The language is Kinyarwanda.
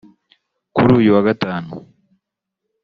kuri uyu wa gatanu